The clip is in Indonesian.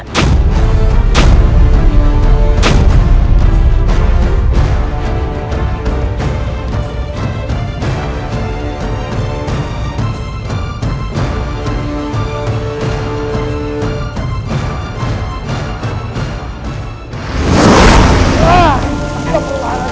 atau akan kubunuh kau sekalian